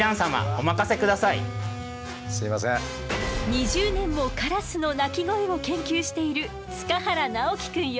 ２０年もカラスの鳴き声を研究している塚原直樹くんよ。